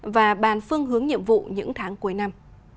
và bàn phương hướng nhiệm vụ những tháng cuối năm